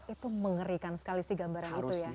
itu mengerikan sekali sih gambaran itu ya